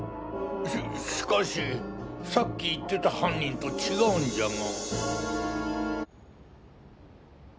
ししかしさっき言ってた犯人と違うんじゃが。